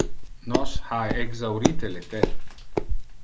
Nos ha exhaurite le the.